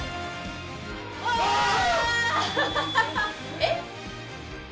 えっ？